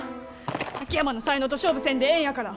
秋山の才能と勝負せんでええんやから！